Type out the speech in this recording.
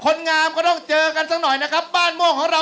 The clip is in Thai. คนงามก็ต้องเจอกันสักหน่อยนะครับบ้านม่วงของเรา